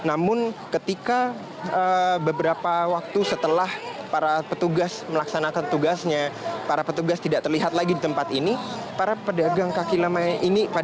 namun ketika beberapa waktu setelah para petugas melaksanakan tugasnya para petugas tidak terlihat lagi di tempat ini